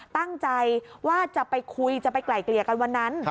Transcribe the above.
ตั้งใจว่าจะไปคุยจะไปไกลเกลี่ยกันวันนั้น